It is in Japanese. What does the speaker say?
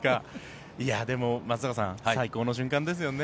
でも松坂さん最高の瞬間ですよね。